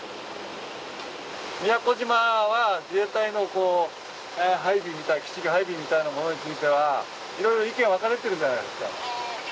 宮古島は自衛隊の基地配備みたいなものについてはいろいろ意見が分かれているじゃないですか。